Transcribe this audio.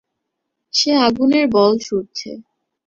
সে আগুনের বল ছুড়ছে।